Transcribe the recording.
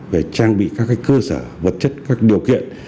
về trang bị các cơ sở vật chất các điều kiện